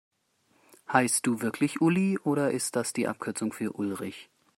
Heißt du wirklich Uli, oder ist das die Abkürzung für Ulrich?